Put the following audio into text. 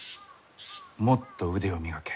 もっと腕を磨け。